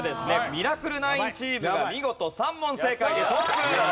ミラクル９チームが見事３問正解でトップ！